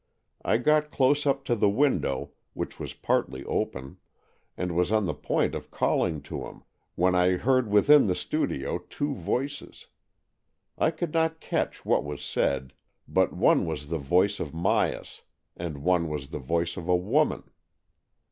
I got close up to the window, which was partly open, and was on the point of calling to him, when I heard within the studio two voices. I could not catch what was said; but one was the voice of Myas, and one was the voice of a woman.